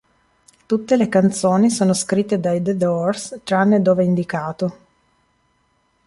Tutte le canzoni sono scritte dai The Doors tranne dove è indicato.